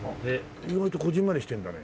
意外とこぢんまりしてるんだね。